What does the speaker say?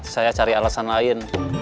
saya cari alasan lain